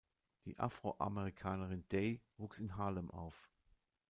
Die Afroamerikanerin Day wuchs in Harlem auf.